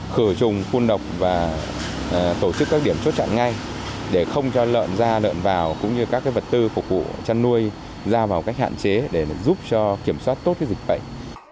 khử trùng phun độc và tổ chức các điểm chốt chặn ngay để không cho lợn ra lợn vào cũng như các vật tư phục vụ chăn nuôi ra vào cách hạn chế để giúp cho kiểm soát tốt dịch bệnh